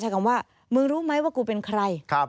คำว่ามึงรู้ไหมว่ากูเป็นใคร